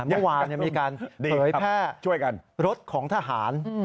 เมื่อวานมีเปิดแผ้รถของทหาร